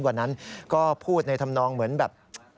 วันนั้นก็พูดในธรรมนองเหมือนแบบ